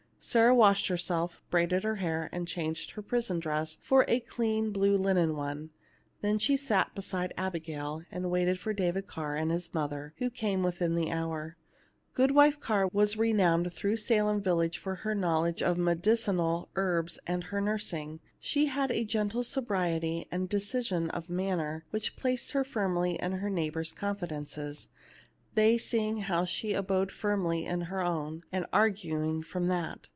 Sarah washed herself, braided her hair, and changed her prison dress for a clean blue linen one ; then she sat beside Abigail, and waited for David Carr and his mother, who came within an hour. Goodwife Carr was renowned through Sa lem village for her knowledge of medicinal herbs and her nursing. She had a gentle sobriety and decision of manner which placed her firmly in her neighbors' confidences, they seeing how she abode firmly in her own, and arguing from that.